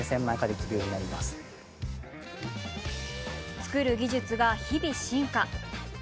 作る技術が日々、進化。